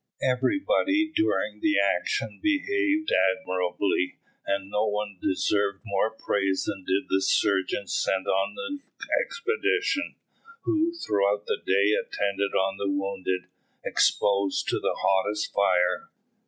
Everybody during the action behaved admirably, and no one deserved more praise than did the surgeons sent on the expedition, who, throughout the day, attended on the wounded, exposed to the hottest fire.